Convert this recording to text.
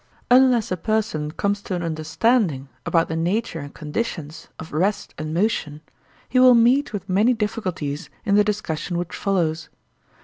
Unless a person comes to an understanding about the nature and conditions of rest and motion, he will meet with many difficulties in the discussion which follows.